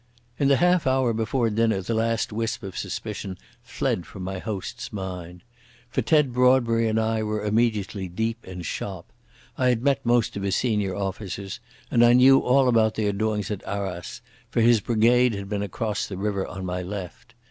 In the half hour before dinner the last wisp of suspicion fled from my host's mind. For Ted Broadbury and I were immediately deep in "shop". I had met most of his senior officers, and I knew all about their doings at Arras, for his brigade had been across the river on my left.